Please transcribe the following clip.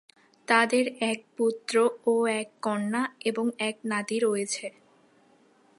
তাঁদের এক পুত্র ও এক কন্যা এবং এক নাতি রয়েছে।